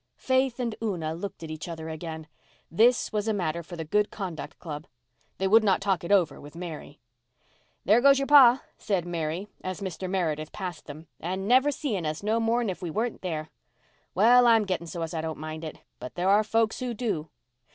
Faith and Una looked at each other again. This was a matter for the Good Conduct Club. They would not talk it over with Mary. "There goes your pa," said Mary as Mr. Meredith passed them, "and never seeing us no more'n if we weren't here. Well, I'm getting so's I don't mind it. But there are folks who do."